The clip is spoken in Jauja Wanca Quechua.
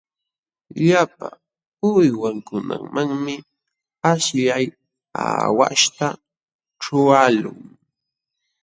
Llapa uywankunamanmi aśhllay aawaśhta ćhuqaqlun.